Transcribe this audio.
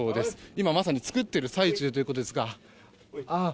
今まさに作っている最中だということですが。